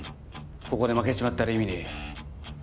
ここで負けちまったら意味ねえ。